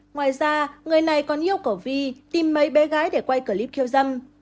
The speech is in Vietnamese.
ngoài ra người này còn yêu cổ vi tìm mấy bé gái để quay clip kêu dâm